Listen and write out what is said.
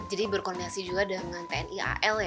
jadi berkoneksi juga dengan tni al ya